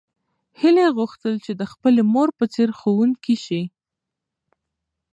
هیلې غوښتل چې د خپلې مور په څېر ښوونکې شي.